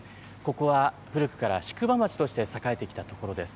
ここは古くから宿場町として栄えてきたところです。